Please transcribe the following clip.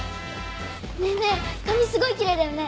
ねぇねぇ髪すごいキレイだよね。